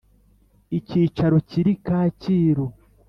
Icyicaro kiri kacyiru